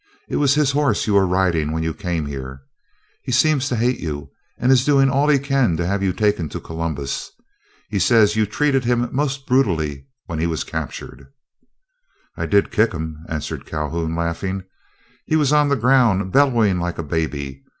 It was his horse you were riding when you came here. He seems to hate you, and is doing all he can to have you taken to Columbus. He says you treated him most brutally when he was captured." "I did kick him," answered Calhoun, laughing; "he was on the ground bellowing like a baby.